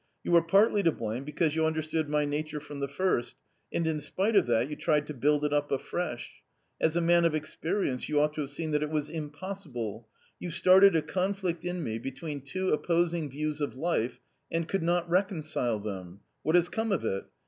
"You were partly to blame because you understood my nature from the first, and in spite of that you tried to build it up afresh ; as a man of experience you ought to have seen that it was impossible — you started a conflict in me between two opposing views of life and could not reconcile them ; what has come of it